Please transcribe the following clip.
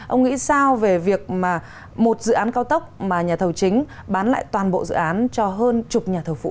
ông nghĩ sao về việc mà một dự án cao tốc mà nhà thầu chính bán lại toàn bộ dự án cho hơn chục nhà thầu phụ